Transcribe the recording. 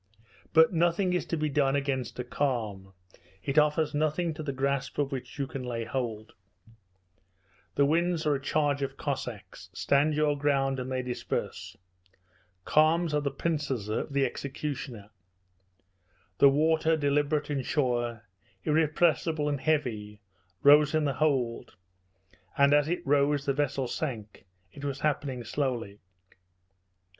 But nothing is to be done against a calm; it offers nothing to the grasp of which you can lay hold. The winds are a charge of Cossacks: stand your ground and they disperse. Calms are the pincers of the executioner. The water, deliberate and sure, irrepressible and heavy, rose in the hold, and as it rose the vessel sank it was happening slowly.